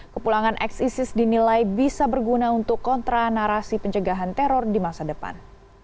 kepulangan ex isis dinilai bisa berguna untuk kontra narasi pencegahan teror di masa depan